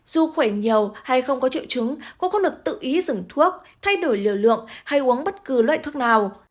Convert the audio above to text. dù khỏe nhiều hay không có triệu chứng cô lực tự ý dừng thuốc thay đổi liều lượng hay uống bất cứ loại thuốc nào